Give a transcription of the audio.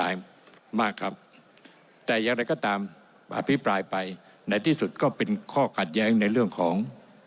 มากครับแต่อย่างไรก็ตามอภิปรายไปในที่สุดก็เป็นข้อขัดแย้งในเรื่องของ